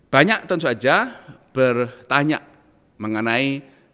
banyak tentu saja bertanya mengenai